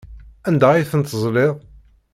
Anda ay tent-tezliḍ?